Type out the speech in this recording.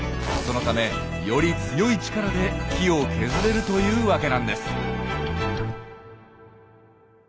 そのためより強い力で木を削れるというわけなんです。